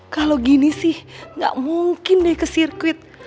kalau gini sih gak mungkin deh ke sirkuit